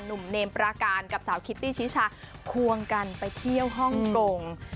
หนุ่มเนมปราการกับสาวคิตตี้ชิชาควงกันไปเที่ยวฮ่องกง